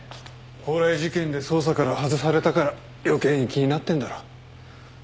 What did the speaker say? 宝来事件で捜査から外されたから余計に気になってんだろ。